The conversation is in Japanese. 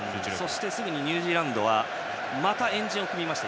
すぐにニュージーランドはまた円陣を組みました。